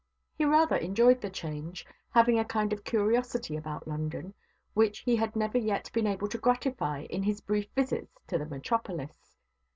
He rather enjoyed the change; having a kind of curiosity about London, which he had never yet been able to gratify in his brief visits to the metropolis.